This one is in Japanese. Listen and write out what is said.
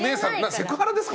セクハラですか？